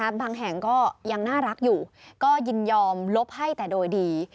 บางแห่งก็ยังน่ารักอยู่ก็ยินยอมลบให้แต่โดยดี